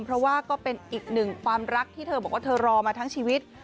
เพราะว่าก็เป็นอีกหนึ่งความรักที่เธอบอกว่าเธอรอมาทั้งชีวิต